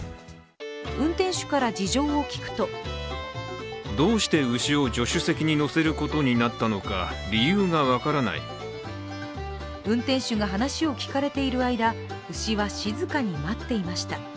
運転手から事情を聴くと運転手が話を聞かれている間牛は静かに待っていました。